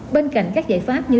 bên cạnh các giải pháp như